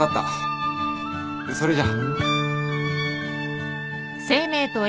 それじゃ。